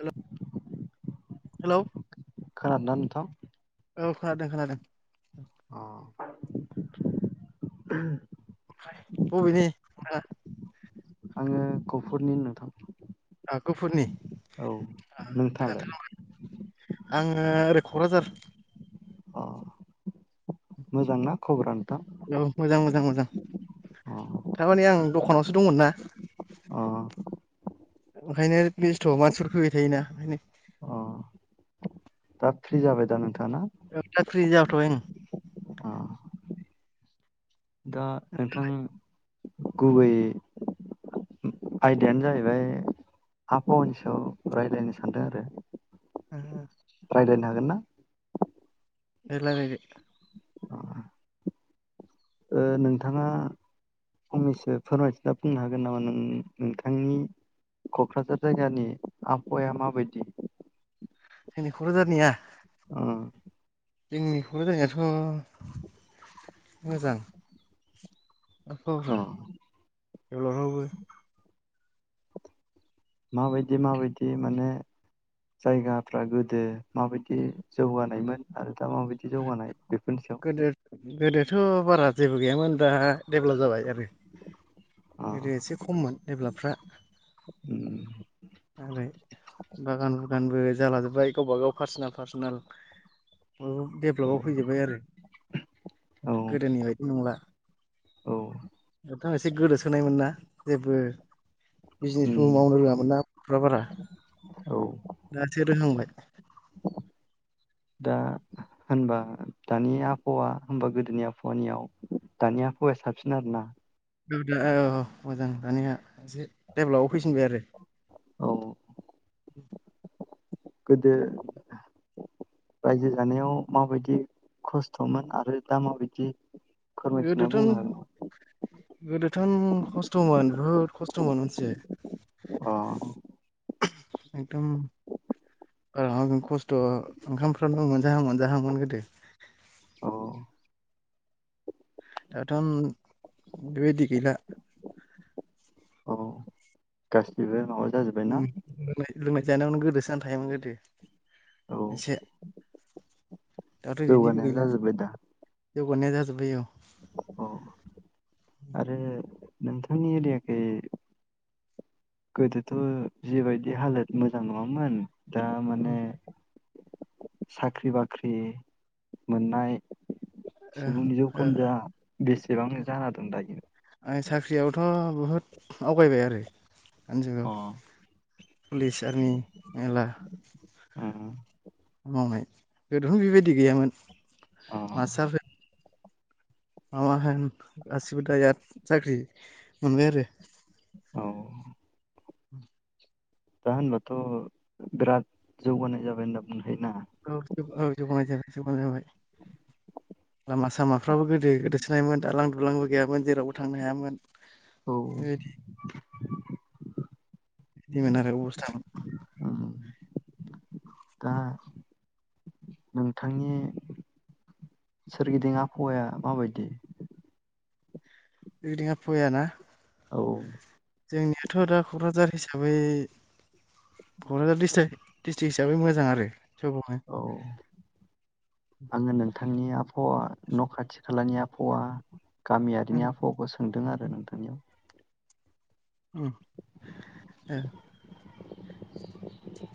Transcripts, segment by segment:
हेल hello. खोनादोंना नोंथां? औ खोनादों खोनादों। अ [inaudible] [inaudible] बबिनि नोंथाङा? आङो गफुरनि नोंथां। आं गफुरनि। औ नोंथाङालाय? आङो ओरै कक्राझार। अ मोजांना खबरा नोंथां? औ मोजां मोजां मोजां। अ थारमाने आं दख खानावसो दंमोन ना। अ। ओंखायनो बेस्थ' मानसिफोर फैबाय थायोना ओंखायनो। अ दा फ्रि जाबाय दा नोंथाङा ना? औ साख्रि जाथ' बाय ओं। अ दा नोंथां गुबै आयदायानो जाहैबाय आबहावानि सायाव रायज्लायनो सानदों आरो। ओहो। रायलायनो हागोन ना? दे रायलायदो। ओ नोंथाङा फंनैसो फोरमायथिना बुंनो हागोन नामा नों नोंथांनि कक्राझार जायगानि आबहावाया माबायदि? जोंनि क'क्राझारनिया? ओ जोंनि क'क्राझारनियाथ' मोजां अ आबहावफ्रा थेवब्लाबो माबायदि माबायदि माने जायगाफ्रा गोदो माबायदि जौगानायमोन आरो दा माबायदि जौगानाय बेफोरनि सायाव। गोदो गोदोथ' बारा जेबो गैयामोन दा डेभलाप जाबाय आरो, अ गोदो एसे खममोन डेभलापफ्रा। ओरै बागान बुगानबो जालाजोबबाय गावबा-गाव पार्सनेल पार्सनेल बयबो डेभलपआव फैजोब्बाय आरो औ गोदोनि बायदि नंला। औ नोंथां एसे गोदोसोनायमोन ना जेबो बिजनेसबो उम मावनो रोङामोन ना बर'फोरा बारा औ दा एसे रोंहांबाय। दा होनबा दानि आबहावा होमबा गोदोनि आबहावानियाव दानि आबहावाया साबसिन आरो ना। दा औ मोजां दानिया एसे डेभलपआव फैसिनबाय आरो। औ गोदो रायजो जानायाव माबायदि खस्थ'मोन आरो दा माबायदि फोरमायथिना बुंनो हागोन नामा? गोदोथ'न खस्थ'मोन बहुद खस्थ'मोन अ मोनथिबाय, एकदम ओ खस्थ' ओंखामफ्रानो मोनजाहां मोनजाहांमोन गोदो। औ दाथ'न बेबायदि गैला। गासैबो न'आ उम [unintelligible] लोंनाय जानायावनो गोदोसोनानै थायोमोन गोदो औ एसे। दाथ' बिदिबो जौगानाया गैला जाजोब्बाय दा? जौगानाया जाजोब्बाय औ। औ आरो नोंथांनि एरियाखै गोदोथ' जिबायदि हालोद मोजां नङामोन दा उम माने साख्रि बाख्रि मोननाय ओ सुबुंनि ओ जौखोन्दोआ बेसेबांनो जाना दं दायो? ख्रियावथ' बुहुद आवगायबाय आरो दानि जुगाव अ पुलिस, आर्मि मेल्ला उम मावनाय, गोदोनो बेबायदि गैयामोन। अ माबा होन गासिबो दा इराद साख्रि मोनबाय आरो। औ [inaudible] दा होनब्लाथ' जौगानाय जाबाय होनना बुंनो हायो ना? औ अ औ जौगानाय जाबाय जौगानाय जाबाय। लामा सामाफ्राबो गोदो गोदोसोनायोमोन दालां दुलांबो गैयामोन जेरावबो थांनो हायामोन औ बेबायदि, बिदिमोन आरो अबस्थामोन। उम दा नोंथांनि सोरगिदिं आबहावाया माबायदि? सोरगिदिं आबहावाया ना? औ जोंनियाथ' दा क'क्राझार हिसाबै क'क्राझार डिस्ट्रिक्ट डिस्ट्रिक्ट हिसाबै मोजां आरो जौगाबाय। औ नि आबहावा, न' खाथि खालानि आबहावा गामियारिनि आबहावाखौ सोंदों आरो नोंथांनियाव। उम ओ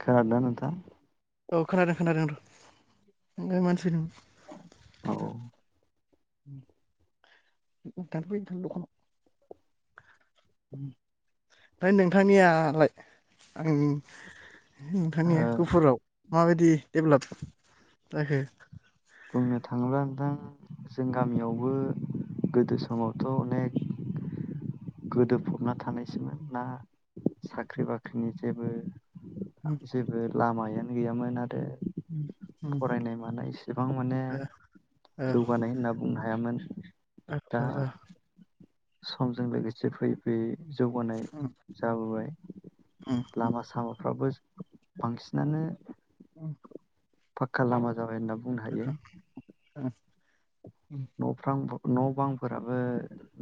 खोनादो ना नोंथां? औ खोनादों खोनादों र' ओ मानसि औ फैदों औ। [unintelligible] दखानाव। उम ओमफ्राय नोंथांनियालाय आं ओ नोंथांनि गुफुराव माबायदि डेभलप जाखो? बुंनो थाङोब्ला नोंथां जों गामियावबो गोदो समावथ' अनेख गोदोफबना थानायसोमोन ना साख्रि बाख्रिनि जेबो जेबो लामायानो गैयामोन आरो। फरायनाय मानाय इसेबां माने जौगानाय होनना बुंनो हायामोन दा समजों लोगोसे फैयै फैयै जौगानाय जाबोबाय लामा सामाफ्राबो बांसिनानो [inaudible] फाका लामा जाबाय होनना बुंनो हायो। उम न'फ्रां न' बांफोराबो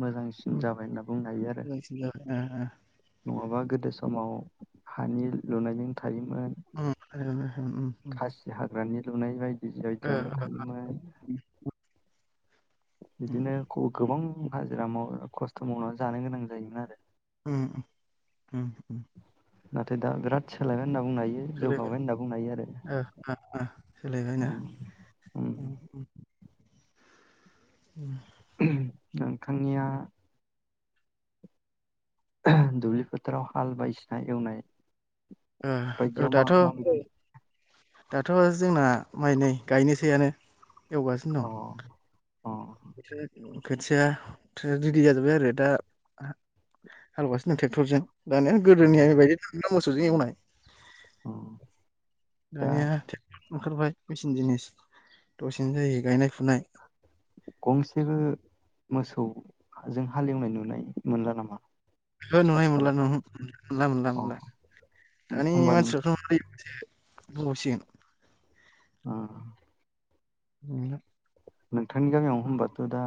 मोजांसिन जाबाय होनना बुंनो हायो आरो मोजांसिन जाबाय नङाबा गोदो समाव हानि लुनायजों थायोमोन [unintelligible] उम खासि हाग्रानि उम लुनाय बाय बिदि बायदियावनो थायोमोन। बिदिनो खौ-गोबां हाजिरा माव खस्थ' मावनानै जानो गोनां जायोमोन आरो। उम ओम ओम नाथाय दा बिराद सोलायबाय होनना बुंनो हायो जौगाबाय सोलायबाय होनना बुंनो हायो आरो। सोलायबायना उम उम उम नोंथांनिया बे फोथाराव हाल बायदिसिना एवनाय बायदियाव मा दाथ' माबायदि दाथ' जोंना माइ नै गायनोसैआनो एवगासिनो अ अ दं खोथिया रेडि जाजोब्बाय आरो दा हालेवगासिनो दं ट्रेक्टरजों। दानिया गोदोनिया औ बेबायदि मोसौजों एवनाय औ दा दानिया ओंखारबाय मेसेन जिनिस दसेनो जायो गायनाय फुनाय गंसेबो मोसौजों हालेवनाय नुनाय मोनला नामा ओंहो नुनाय मोनला आथिखालाव ओंहो मोनला मोनला अ मोनला दानि होमबा नों मानसिफोरखौ नै बुंबावसिगोन ओ औ नोंथांनि गामियाव होनबाथ' दा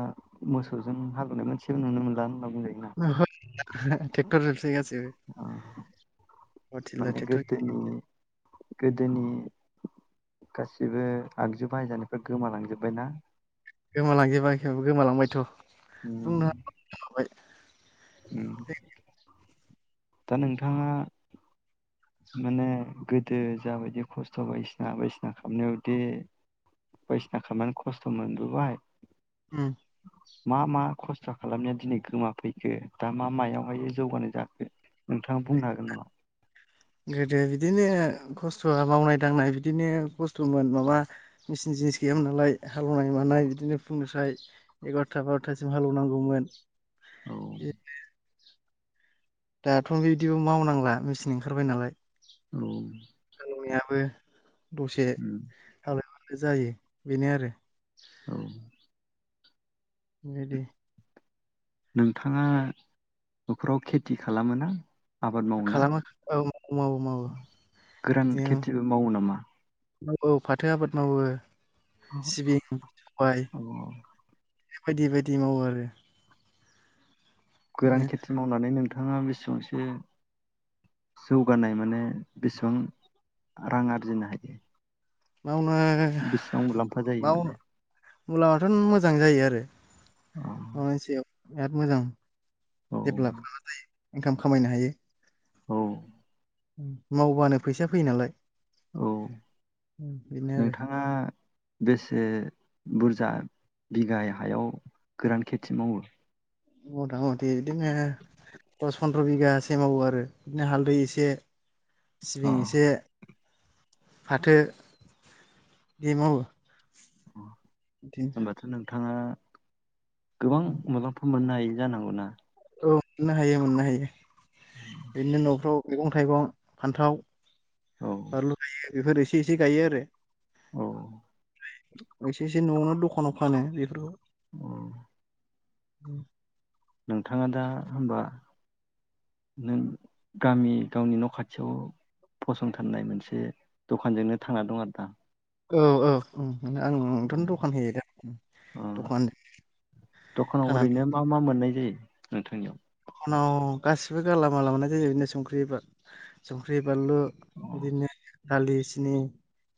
मोसौजों हालेवनाय मोनसेबो नुनो मोनला बुंजायोना [unintelligible] थेक्टर जोंस ओ हर थिला माने ट्रेक्टर गोदोनि गोदोनि गासिबो आगजु बायजानिफ्राय गोमालांजोब्बाय ना गोमालांजोबा एखै गोमालांबायथ' उम बुंनो [unintelligible] उम दा नोंथाङा माने गोदो जाबायदि खस्थ' बायदिसिना बायदिसिना खालामनायावदि बायदिसिना खालामनानै खस्थ' मोनबोबाय उम मा मा ख स्थ' खालामनाया दिनै गोमाफैखो दा मा मायावहाय जौगानाय जाखो? नोंथाङा बुंनो हागोन नामा? गोदो बिदिनो खस्थ'आ मावनाय दांनाय बिदिनो खस्थ'मोन माबा मेचिन जिनिस गैयामोन नालाय हालेवनाय मानाय बिदिनो फुंनिफ्राय एगार'था बार'थासिम हालेवनांगौमोन औ दाथ' बिदिबो मावनांला मेचिन ओंखारबाय नालाय औ हाल हेवनायाबो दसे उम जालायबाय जायो बेनो आरो औ एदि नोंथाङा न'खराव खेथि खालामोना आबाद मावोना खालामो औ मावो मावो मावो गोरान खेथिबो मावो नामा। औ फाथो आबाद मावो। सिबिं सबाय अ बायदि बायदि मावो आरो। गोरान खेथि मावनानै नोंथां नोंथाङा बेसेबांसो जौगानाय माने बेसेबां रां आरजिनो हायो। मावनो बेसेबां मुलाम्फा जायो माव माने मुलामाथ' मोजां जायो आरो। अ मा मोनसेयाव बिराज मोजां औ [inaudible] इनकाम खामायनो हायो। औ मावबानो फैसा फैयो नालाय औ बिनो आरो नोंथाङा बेसे बुरजा बिगा हायाव गोरान खेथि मावो मथा मथि बिदिनो दस फनद्र बिगासो मावो आरो बिदिनो हालदै एसे अ सिबिं एसे फाथोबो मावो। बिदिनो होनबाथ नोंथां थाङा गोबां मैगंफोर मोननो हायो। जानांगौना? औ मोननो हायो मोननो हायो। बिदिनो न'फ्राव मैगं-थाइगं फान्थाव, औ [inaudible] बेफोर एसे एसे गायो आरो औ एसे एसे न'आवनो दखानाव फानो बेफोरखौ औ [inaudible] नोंथाङा दा होमबा नों गामि गावनि न' खाथियाव फसंथाननाय मोनसे दखानजोंनो थांना दं आरो दा? औ औ आंथनो दखान होयो दा अ दखान दखानाव ओरैनो थानानै मा मा मोननाय जायो नोंथांनियाव आंनाव गासिबो गालामालाव मोननाय जायो। बिनो संख्रि संख्रि, बानलु, अ बिदिनो दालि, सिनि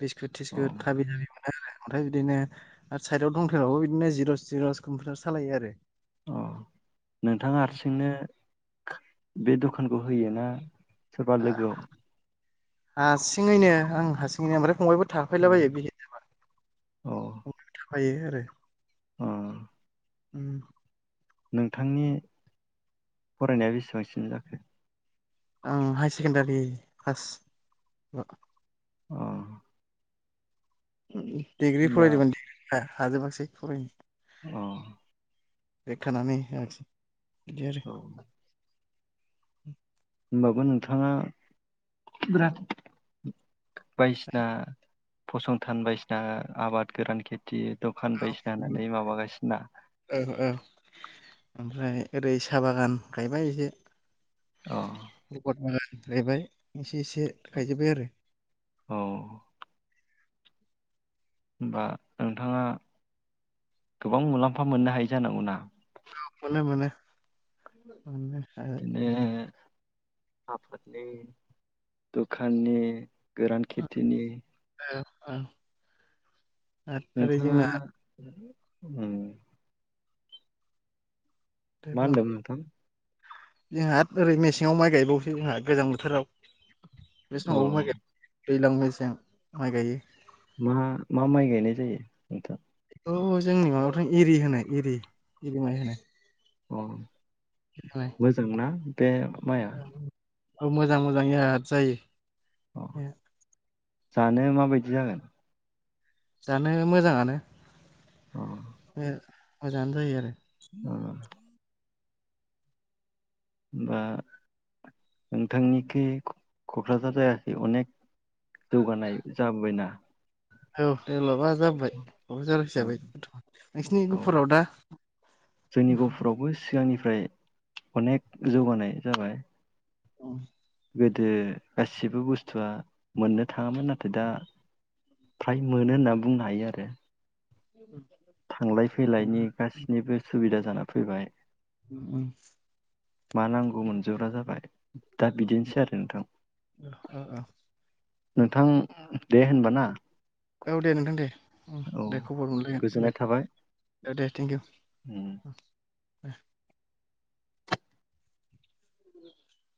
बिस्कुट अ थिस्कुट भाबिनानै आरो ओमफ्राय बिदिनो आरो साइदआव दंथेबावो, बिदिनो जिर'स सिर'स कम्पिउटार सालायो आरो। अ नोंथाङा हारसिंनो बे दखानखौ होयोना सोरबा लोगोआव हारसिङैनो आं हारसिङैनो ओमफ्राय फंबाइ थाफैलाबायो बिहिर जाबा। औ फायो आरो अ उम नोंथांनि फरायनाया बेसेबांसिम जाखो आं हाय सेकेणडारि फास अ डिग्रि फरायदोंमोन [unintelligible] हाजोबाखिसै फरायनो अ बेक थांनानै होआखिसै इदिआरो औ उ होनबाबो नोंथाङा बिराद बायसिना फसंथान बायसिना आबाद गोरान खेथि दखान बायसिना होननानै माबागासिना औ औ ओमफ्राय ओरै सा बागान गायबाय एसे अ रिपोट बुङो गायबाय एसे एसे गायजोब्बाय आरो औ होमबा नोंथाङा गोबां मुलाम्फा मोननो हायो जानांगौ ना? औ मोनो-मोनो [unintelligible] आफद ने दुखान नि गोरान ओ खेथिनि ओ आरो ओरै नोंथाङा जोंना उम मा होनदोंमोन नोंथां? जोंहा ओरै मेसेङाव माइ गायबावोसो जोंहा गोजां बोथोराव बे अ समावबो माय गाय दैज्लां मेसें माइ गायो मा मा माइ गायनाय जायो नोंथां? औ जोंनि माबाफोर एरि होनो एरि एरि माइ होनो। अ मोजां ना? बे माइआ औ औ मोजां मोजां याद जायो। अ बे जानो माबायदि जागोन जानो मोजांङानो अ ए मोजांङैनो जायो आरो उम अ बा नोंथांनिखि क'क्राझार जायाखै अनेक जौगानाय जाबोबायना औ एल बा जाबोबाय औ कक्राझारहिबै नोंसिनि औ गहपुराव दा जोंनि उफ गहपुरावबो सिगांनिफ्राय अनेक जौगानाय जाबाय औ गोदो गासिबो बुस्थुआ मोननो थांङामोन नाथाय दा फ्राय मोनो होनना बुंनो हायो आरो उम थांलाय फैलायनि गासिनिबो सुबिदा जाना फैबाय उम उम मा नांगौ मोनजोबग्रा जाबाय दा बिदिनोसै आरो नोंथां ओ ओ ओ नोंथां दे होनबाना औ दे नोंथां दे औ दे खबर मोनलायगोन दे गोजोननाय थाबाय औ दे थेंकिउ उम। ओह [unintelligible]